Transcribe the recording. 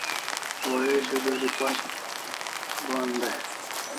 Waresho geri pashik Gohan dai